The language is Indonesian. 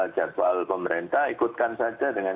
jadwal pemerintah ikutkan saja dengan